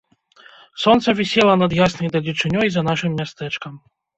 Сонца вісела над яснай далечынёй за нашым мястэчкам.